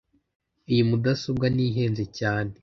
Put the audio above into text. Iyi mudasobwa niyo ihenze cyane.